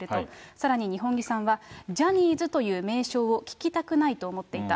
さらに二本樹さんは、ジャニーズという名称を聞きたくないと思っていた。